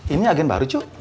ini agen baru cu